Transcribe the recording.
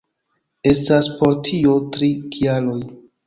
Estas por tio tri kialoj.